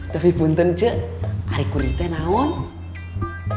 tapi buntun ce ada kurirnya ada